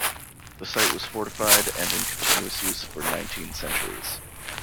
The site was fortified and in continuous use for nineteen centuries.